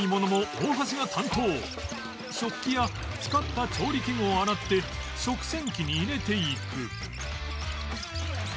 食器や使った調理器具を洗って食洗機に入れていく